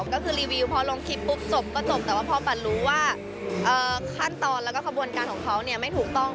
ก็คือรีวิวพอลงคลิปปุ๊บจบก็จบแต่ว่าพอปันรู้ว่าขั้นตอนแล้วก็ขบวนการของเขาไม่ถูกต้อง